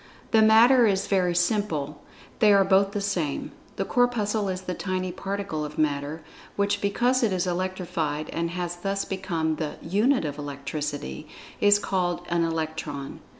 The matter is very simple. They are both the same. The Corpuscle is the tiny particle of Matter, which because it is electrified and has thus become the "unit of electricity," is called an "Electron."